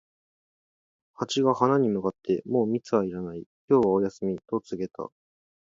ハチが花に向かって、「もう蜜はいらない、今日はお休み」と告げた。